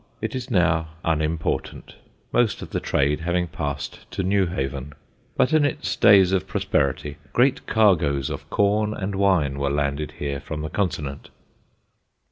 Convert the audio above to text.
It is now unimportant, most of the trade having passed to Newhaven; but in its days of prosperity great cargoes of corn and wine were landed here from the Continent.